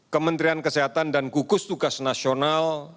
kementerian kesehatan dan gugus tugas nasional